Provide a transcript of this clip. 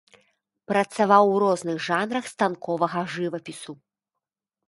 Працаваў у розных жанрах станковага жывапісу.